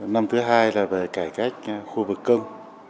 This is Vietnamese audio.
năm thứ hai là về cải cách khu vực công